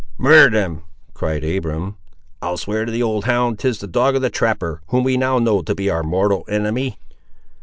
"Murder them!" cried Abiram; "I'll swear to the old hound; 'tis the dog of the trapper, whom we now know to be our mortal enemy."